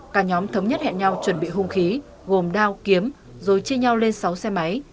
cả nhóm thống nhất hẹn nhau chuẩn bị hung khí gồm đao kiếm rồi chia nhau lên sáu xe máy